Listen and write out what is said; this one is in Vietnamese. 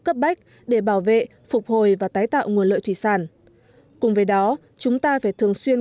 cấp bách để bảo vệ phục hồi và tái tạo nguồn lợi thủy sản cùng với đó chúng ta phải thường xuyên